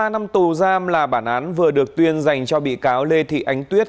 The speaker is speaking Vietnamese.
ba năm tù giam là bản án vừa được tuyên dành cho bị cáo lê thị ánh tuyết